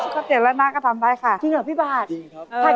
ค่ะไอ้ขวัญไอ้ขวัญช่วยอะไรพี่บาทบ้าง